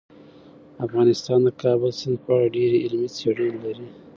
افغانستان د کابل سیند په اړه ډېرې علمي څېړنې لري.